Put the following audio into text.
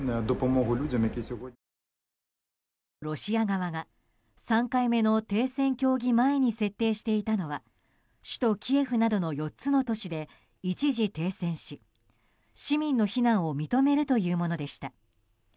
ロシア側が３回目の停戦協議前に設定していたのは首都キエフなどの４つの都市で一時停戦し市民の避難を認めるというものでした。